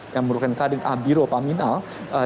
yang merupakan kadin abiro paminal